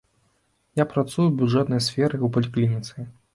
Я працую ў бюджэтнай сферы, у паліклініцы.